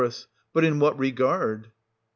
But in what regard ? Oe.